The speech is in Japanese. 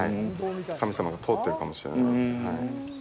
神様が通っているかもしれない。